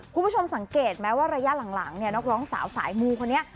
คุณผู้ชมสังเกตไหมว่าระยะหลังเนี่ยนักร้องสาวสายมูคนนี้